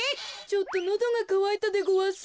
ちょっとのどがかわいたでごわす。